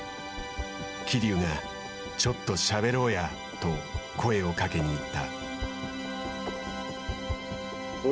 桐生がちょっとしゃべろうやと声をかけに行った。